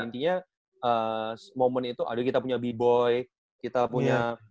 intinya moment itu ada kita punya b boy kita punya